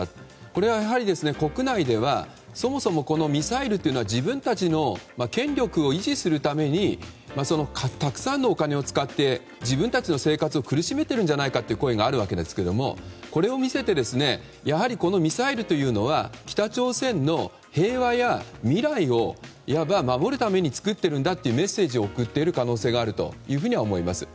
これはやはり、国内ではそもそもミサイルというのは自分たちの権力を維持するためにたくさんのお金を使って自分たちの生活を苦しめているんじゃないかという声があるんですがこれを見せて、やはりこのミサイルというのは北朝鮮の平和や未来をいわば守るために作っているんだというメッセージを送っている可能性があると思います。